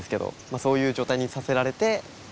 そういう状態にさせられて。